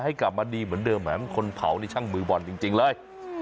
ให้กลับมาดีเหมือนเดิมแหมคนเผานี่ช่างมือบ่อนจริงเลย